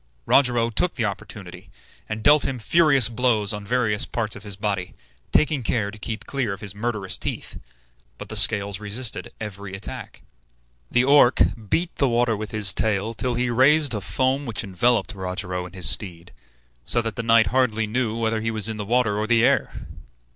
Rogero took the opportunity, and dealt him furious blows on various parts of his body, taking care to keep clear of his murderous teeth; but the scales resisted every attack. The Orc beat the water with his tail till he raised a foam which enveloped Rogero and his steed, so that the knight hardly knew whether he was in the water or the air.